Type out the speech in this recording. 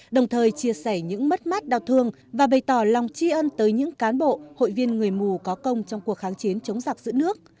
đồng thời chia sẻ những mất mát đau thương và bày tỏ lòng tri ân tới những cán bộ hội viên người mù có công trong cuộc kháng chiến chống giặc giữ nước